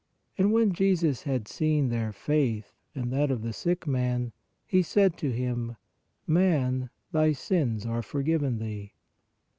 And when Jesus had seen their faith (and that of the sick man), He said to him: Man, thy sins are forgiven thee.